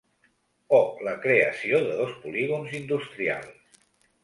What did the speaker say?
O la creació de dos polígons industrials.